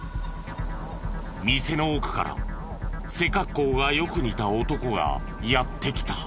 店の奥から背格好がよく似た男がやって来た。